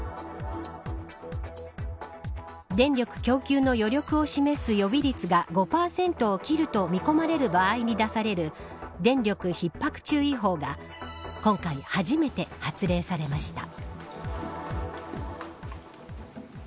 電力供給の余力を示す予備率が５％を切ると見込まれる場合に出される電力ひっ迫注意報が今回、初めて発令されました。